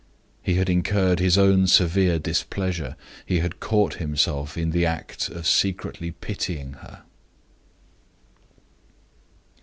He had incurred his own severe displeasure he had caught himself in the act of secretly pitying her.